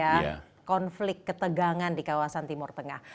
dan konflik ketegangan di kawasan timur tengah